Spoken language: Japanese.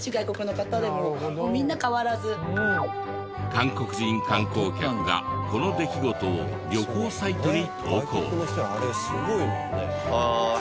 韓国人観光客がこの出来事を旅行サイトに投稿。